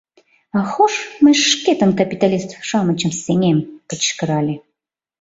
— А хош, мый шкетын капиталист-шамычым сеҥем! — кычкырале.